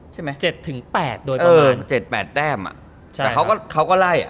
ใช่ไหมเจ็ดถึงแปดโดยประมาณเออเจ็ดแปดแต้มอ่ะใช่แต่เขาก็เขาก็ไล่อ่ะ